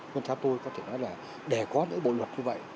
vâng thưa tôi có thể nói là để có những bộ luật như vậy